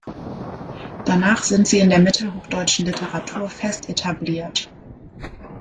Danach sind sie in der mittelhochdeutschen Literatur fest etabliert.